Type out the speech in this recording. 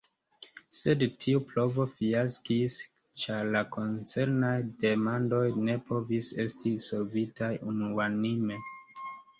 Sed tiu provo fiaskis ĉar la koncernaj demandoj ne povis esti solvitaj unuanime.